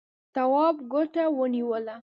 تواب ګوته ونيوله.